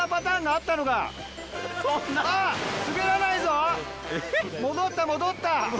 あっ滑らないぞ戻った戻った。